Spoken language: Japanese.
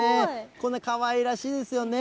こんなかわいらしいですよね。